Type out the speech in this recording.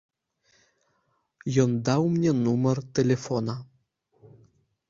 Ён даў мне нумар тэлефона.